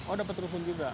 oh dapet rusun juga